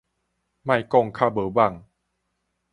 莫講較無魍